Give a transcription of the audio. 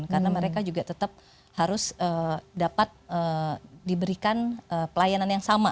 karena mereka juga tetap harus dapat diberikan pelayanan yang sama